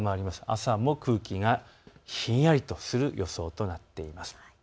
朝も空気がひんやりとする予想となっています。